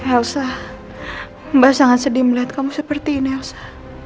elsa mbak sangat sedih melihat kamu seperti ini elsa